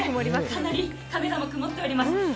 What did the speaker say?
かなりカメラも曇っております。